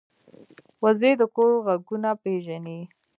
وزې د کور غږونه پېژني